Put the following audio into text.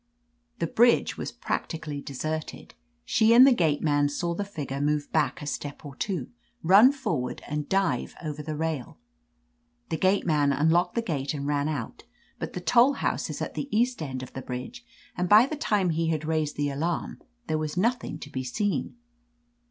"The bridge was practically deserted^ She and the gate man saw the figure move back a step or two, run forward and dive over the rail. The gate man unlocked the gate and ran out, but the toll house is at the east end of the bridge, and by the time he had raised the alarm there was nothing to be seen.